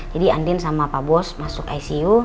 jadi andien sama pak bos masuk icu